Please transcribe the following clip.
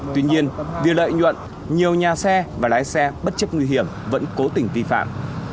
tuy nhiên vì lợi nhuận nhiều nhà xe và lái xe bất chấp nguy hiểm vẫn cố tình vi phạm